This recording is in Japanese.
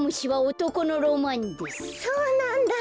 そうなんだ。